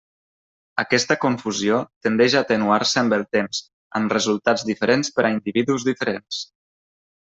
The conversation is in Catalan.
Aquesta confusió tendeix a atenuar-se amb el temps, amb resultats diferents per a individus diferents.